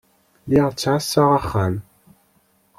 Lliɣ ttɛassaɣ axxam.